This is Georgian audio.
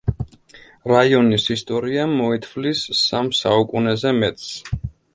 რაიონის ისტორია მოითვლის სამ საუკუნეზე მეტს.